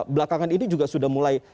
belakangan ini juga sudah mulai